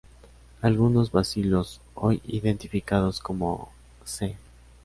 Algunos bacilos hoy identificados como "Cl.